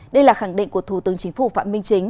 đây là khẳng định của thủ tướng chính phủ phạm minh chính